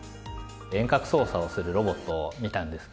遠隔操作をするロボットを見たんです。